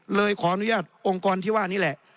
เลยขออนุญาตองค์กรที่ว่านี่แหละ